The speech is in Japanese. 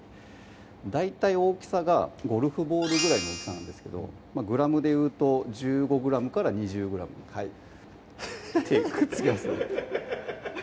大体大きさがゴルフボール位の大きさなんですけどグラムでいうと１５ｇ２０ｇはいハハハッ手くっつきますね